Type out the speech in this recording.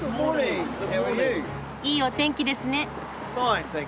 いいお天気ですね。